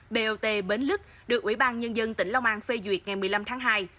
bot bến lức được ủy ban nhân dân tỉnh long an phê duyệt ngày một mươi năm tháng hai